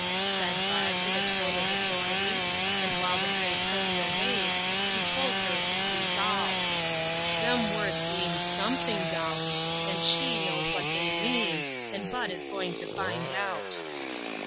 said Bud, in a tone of authority ; and while the gray pony obeyed, he told her his resolve :" Them words mean something, Dolly, and she knows what they mean, and Bud is going to find out."